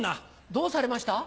どうされました？